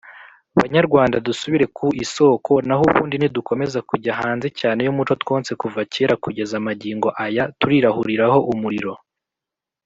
banyarwanda, dusubire ku isoko naho ubundi nidukomeza kujya hanze cyane y’umuco twonse kuva kera kugeza magingo aya, turirahuriraho umuriro